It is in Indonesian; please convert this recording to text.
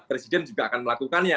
presiden juga akan melakukannya